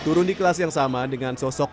turun di kelas yang sama dengan sosok